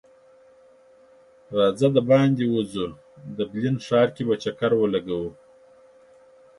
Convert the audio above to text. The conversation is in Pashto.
راځه د باندی وځو ډبلین ښار کی به چکر هم ولګو